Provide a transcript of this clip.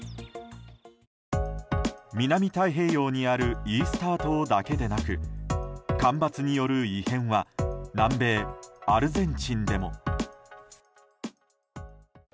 南太平洋にあるイースター島だけでなく干ばつによる異変は南米アルゼンチンでも。